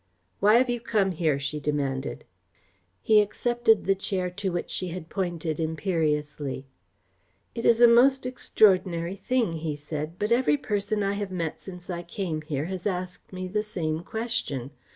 "Why have you come here?" she demanded. He accepted the chair to which she had pointed imperiously. "It is a most extraordinary thing," he said, "but every person I have met since I came here has asked me the same question.